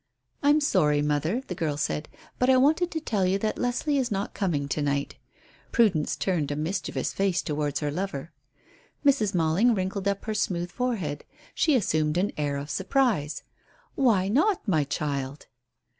"I'm sorry, mother," the girl said, "but I wanted to tell you that Leslie is not coming to night." Prudence turned a mischievous face towards her lover. Mrs. Malling wrinkled up her smooth forehead. She assumed an air of surprise. "Why not, my child?"